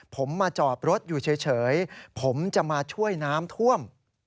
ผมมาจอดรถอยู่เฉยผมจะมาช่วยน้ำท่วม